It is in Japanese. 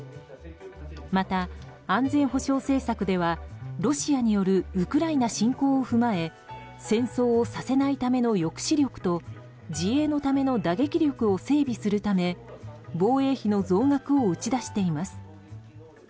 また、安全保障政策ではロシアによるウクライナ侵攻を踏まえ戦争をさせないための抑止力と自衛のための打撃力を整備するため防衛費の増額を打ち出しています。